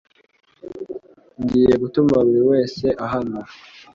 Ngiye gutuma buri wese ahanwa